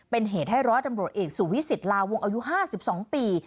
เป็นเหตุให้ร้อยตำรวจเอกสุวิสิตลาวงอายุ๕๒ปี